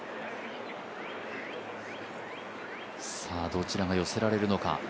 どちらが寄せられるのか。